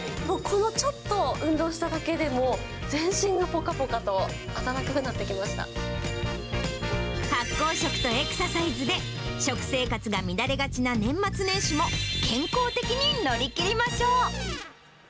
ちょっと運動しただけでも、全身がぽかぽかと、発酵食とエクササイズで、食生活が乱れがちな年末年始も健康的に乗り切りましょう。